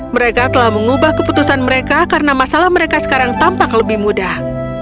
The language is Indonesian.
mereka telah mengubah keputusan mereka karena masalah mereka sekarang tampak lebih mudah